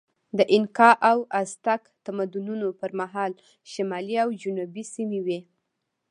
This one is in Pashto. د اینکا او ازتک تمدنونو پر مهال شمالي او جنوبي سیمې وې.